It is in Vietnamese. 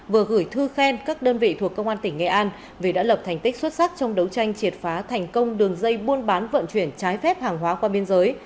vừa gửi thư khen các đơn vị thuộc công an tỉnh nghệ an vì đã lập thành tích xuất sắc trong đấu tranh triệt phá thành công đường dây buôn bán vận chuyển trái phép hàng hóa qua biên giới